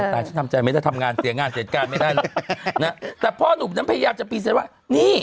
แต่ฉันทำแจมันจะทำงานเสียงานเสร็จการไม่ได้แล้วนะแต่พ่อหนูน้ำพยายามจะเปรีเซ็นว่านี้